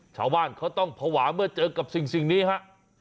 ชาวบ้านเขาต้องภาวะเมื่อเจอกับสิ่งนี้ฮะ